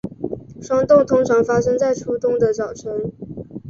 霜冻通常发生在初冬的早晨。